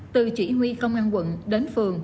từ chỉ huy công an quận đến phường